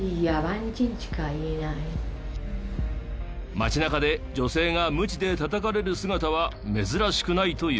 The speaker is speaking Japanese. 街中で女性がムチでたたかれる姿は珍しくないという。